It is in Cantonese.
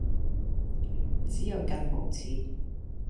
只有更無恥